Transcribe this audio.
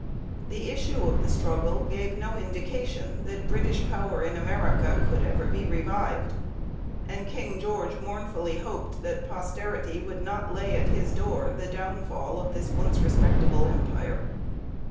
The issue of the struggle gave no indication that British power in America could ever be revived; and King George mournfully hoped that posterity would not lay at his door 'the downfall of this once respectable empire.'